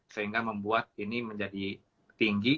sehingga membuat ini menjadi tinggi